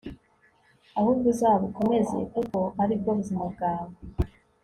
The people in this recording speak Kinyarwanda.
ahubwo uzabukomeze, kuko ari bwo buzima bwawe